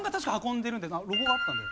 ロゴがあったので。